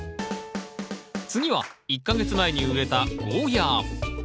次は１か月前に植えたゴーヤー。